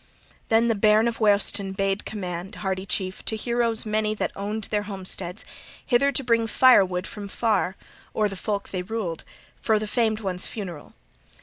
Then the bairn of Weohstan bade command, hardy chief, to heroes many that owned their homesteads, hither to bring firewood from far o'er the folk they ruled for the famed one's funeral.